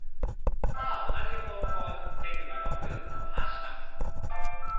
さあ同じ方向に手首をくるんと回します。